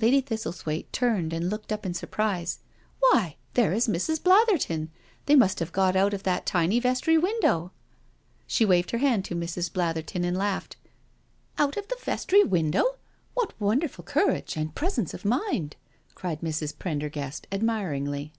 Lady Thistlethwaite turned and looked up in sur prise. " Why, there is Mrs. Blatherton— they must have got out of that tiny vestry window I " She waved her hand to Mrs. Blatherton and laughed. •* Out of the vestry window? What wonderful cour age and presence of mindl" cried Mrs. Prendergast admiringly.